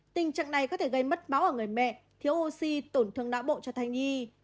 tình trạng này có thể gây mất máu ở người mẹ thiếu oxy tổn thương não bộ cho thai nhi